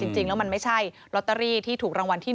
จริงแล้วมันไม่ใช่ลอตเตอรี่ที่ถูกรางวัลที่๑